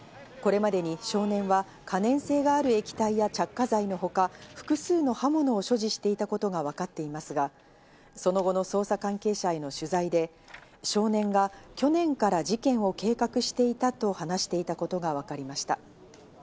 これまでに少年は可燃性がある液体や着火剤のほか、複数の刃物を所持していたことがわかっていますが、その後の捜査関係者への取材で、少年が去年から事件を計画していたと話していることもわかりました。